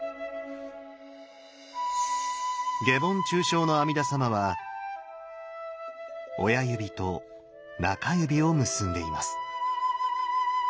下品中生の阿弥陀様は親指と中指を結んでいます。